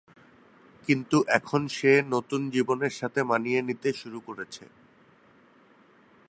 কিন্তু এখন সে নতুন জীবনের সাথে মানিয়ে নিতে শুরু করেছে।